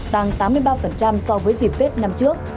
tăng tám mươi ba so với dịp tết năm trước